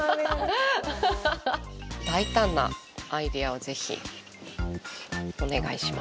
大胆なアイデアをぜひ、お願いします。